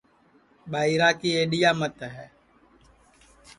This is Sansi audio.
ٻائیرا کی ایڈِؔیا مت ہے